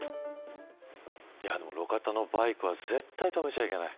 路肩のバイクは絶対止めちゃいけない。